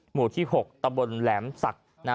หมู่ที่๖ตำบลแหลมศักดิ์